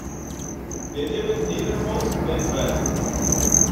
They live in Nederhorst den Berg.